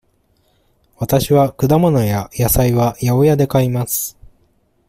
わたしは果物や野菜は八百屋で買います。